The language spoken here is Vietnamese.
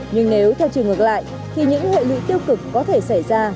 nhưng nếu theo chiều ngược lại thì những hệ lụy tiêu cực có thể xảy ra